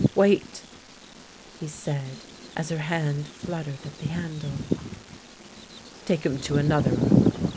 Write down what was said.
" Wait," he said, as her hand fluttered at the handle. " Take him to another room.